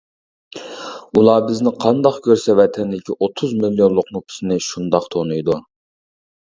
ئۇلار بىزنى قانداق كۆرسە، ۋەتەندىكى ئوتتۇز مىليونلۇق نوپۇسنى شۇنداق تونۇيدۇ.